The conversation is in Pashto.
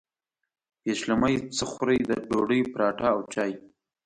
پیشلمۍ څه خورئ؟ ډوډۍ، پراټه او چاي